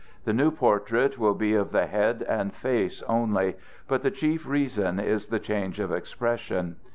The new portrait will be of the head and face only. But the chief reason is the change of expression.